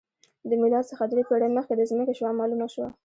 د میلاد څخه درې پېړۍ مخکې د ځمکې شعاع معلومه شوه